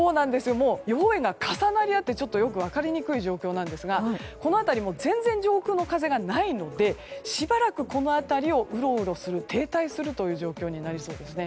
予報円が重なり合ってちょっと分かりにくい状況なんですがこの辺り全然、上空の風がないのでしばらくこの辺りをうろうろする停滞する状況になりそうです。